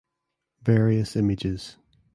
Various images.